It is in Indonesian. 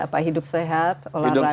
apa hidup sehat olahraga